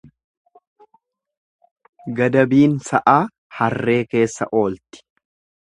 Gadabiin sa'aa harree keessa oolti.